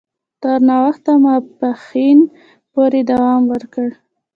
تر ناوخته ماپښین پوري دوام وکړ.